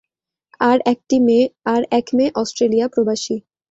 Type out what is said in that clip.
আর এক মেয়ে অস্ট্রেলিয়া প্রবাসী।